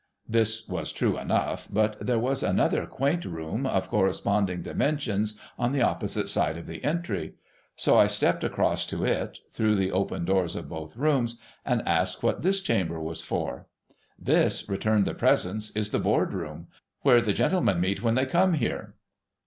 This was true enough, but there was another quaint room of corresponding dimensions on the opposite side of the entry : so I stepped across to it, through the open doors of both rooms, and asked what this chamber was for. ' This,' returned the presence, ' is the Board Room. Where the gentlemen meet when they come here.'